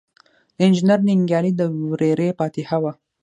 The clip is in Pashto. د انجنیر ننګیالي د ورېرې فاتحه وه.